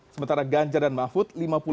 sementara ganjar dan mahwud